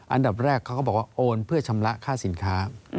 อันดับแรกเขาก็บอกว่าโอนเพื่อชำระค่าสินค้า